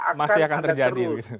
akan ada terus